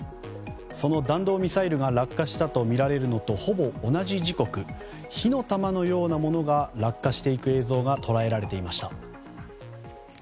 その弾道ミサイルが落下したとみられるのとほぼ同じ時刻火の玉のようなものが落下していく映像が捉えられていました。